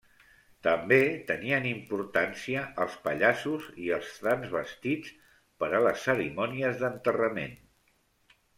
També tenien importància els pallassos i els transvestits per a les cerimònies d'enterrament.